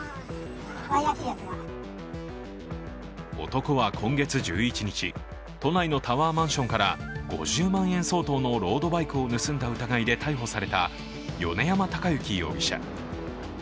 男は今月１１日、都内のタワーマンションから５０万円相当のロードバイクを盗んだ疑いで逮捕された米山貴之容疑者。